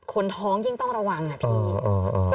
คนท้องยิ่งต้องระวังอะพี่